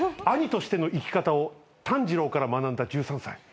兄としての生き方を炭治郎から学んだ１３歳。